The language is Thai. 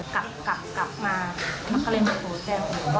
กลับมาก็เลยหมดหัวแจ้งก่อน